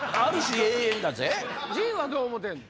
陣はどう思てんの？